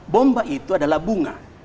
bomba itu adalah bunga